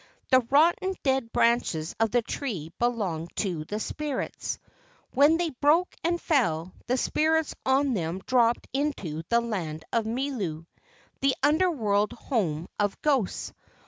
The rotten, dead branches of the tree belonged to the spirits. When they broke and fell, the spirits on them dropped into the land of Milu—the under world home of ghosts.